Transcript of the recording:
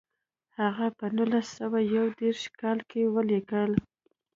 هغه په نولس سوه یو دېرش کال کې ولیکل.